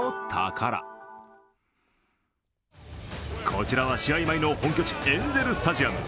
こちらは試合前の本拠地エンゼル・スタジアム。